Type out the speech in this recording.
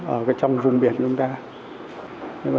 ở trong vùng biển của chúng ta